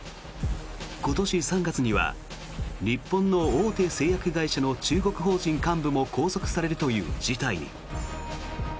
今年３月には日本の大手製薬会社の中国法人幹部も拘束されるという事態に。